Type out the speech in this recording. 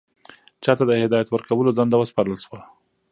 چا ته د هدایت ورکولو دنده وسپارل شوه؟